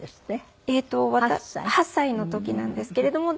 ８歳の時なんですけれども。